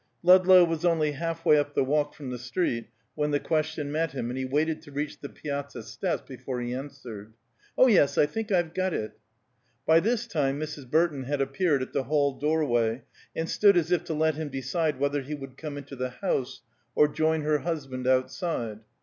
Ludlow was only half way up the walk from the street when the question met him, and he waited to reach the piazza steps before he answered. "Oh, yes, I think I've got it." By this time Mrs. Burton had appeared at the hall door way, and stood as if to let him decide whether he would come into the house, or join her husband outside.